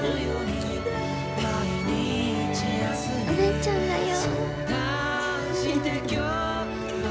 お姉ちゃんだよ。